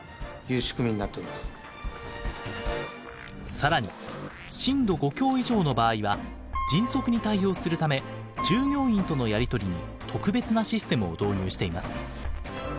更に震度５強以上の場合は迅速に対応するため従業員とのやり取りに特別なシステムを導入しています。